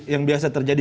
yang biasa terjadi